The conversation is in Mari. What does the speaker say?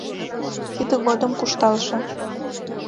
Тиде годым кушталше